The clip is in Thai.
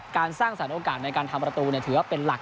สร้างสรรคโอกาสในการทำประตูถือว่าเป็นหลัก